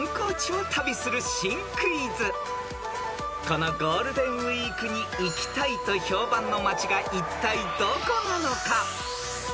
［このゴールデンウィークに行きたいと評判の町がいったいどこなのか］